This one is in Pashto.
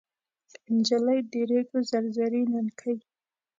نجلۍ د ریګو زر زري ننکۍ